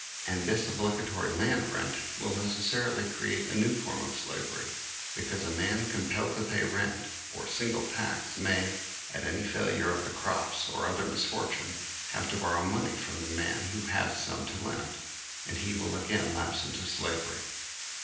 And this obligatory land rent will necessarily create a new form of slavery ; because a man compelled to pay rent or single tax may, at any failure of the crops or other misfortune, have to borrow money from a man who has some to lend, and he will again lapse into slavery.